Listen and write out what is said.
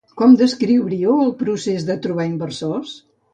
Com descriuríeu el procés de trobar inversors?